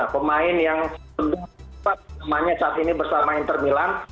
pemain yang sempat semuanya saat ini bersama inter milan